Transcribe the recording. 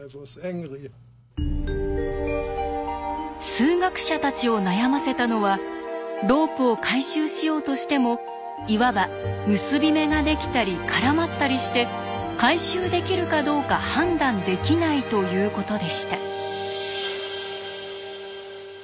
数学者たちを悩ませたのはロープを回収しようとしてもいわば結び目ができたり絡まったりして回収できるかどうか判断できないということでした。